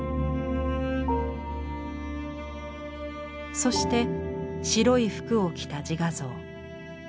そして白い服を着た自画像。